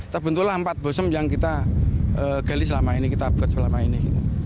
terbentuklah empat bosom yang kita gali selama ini kita buat selama ini